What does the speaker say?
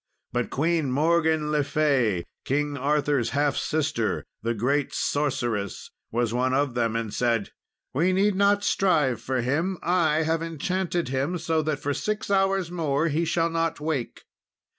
But Queen Morgan le Fay, King Arthur's half sister, the great sorceress, was one of them, and said "We need not strive for him, I have enchanted him, so that for six hours more he shall not wake.